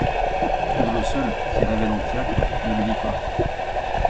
Trublot seul, qui rêvait dans le fiacre, ne le vit pas.